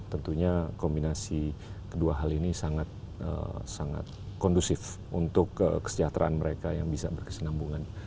tentunya kombinasi kedua hal ini sangat kondusif untuk kesejahteraan mereka yang bisa berkesenambungan